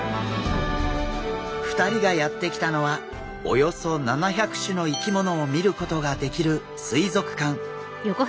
２人がやって来たのはおよそ７００種の生き物を見ることができる水族館。